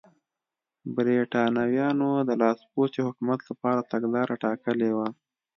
برېټانویانو د لاسپوڅي حکومت لپاره تګلاره ټاکلې وه.